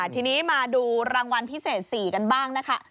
ทีนี้มาดูรางวัลพิเศษ๔กันบ้างนะคะ